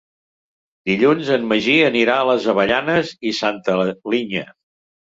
Dilluns en Magí anirà a les Avellanes i Santa Linya.